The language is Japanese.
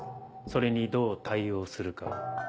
それにどう対応するか。